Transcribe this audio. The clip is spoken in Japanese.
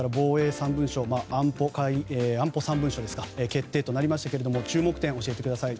３文書安保３文書ですか決定となりましたけれども注目点を教えてください。